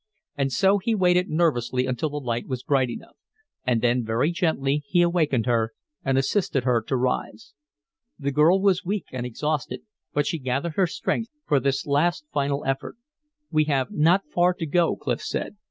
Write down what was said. And so he waited nervously until the light was bright enough. And then very gently he awakened her and assisted her to rise. The girl was weak and exhausted, but she gathered her strength for this last final effort. "We have not far to go," Clif said.